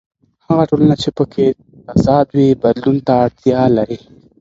هغه ټولنه چې په کې تضاد وي بدلون ته اړتیا لري.